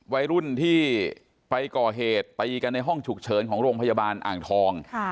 วัยรุ่นที่ไปก่อเหตุตีกันในห้องฉุกเฉินของโรงพยาบาลอ่างทอง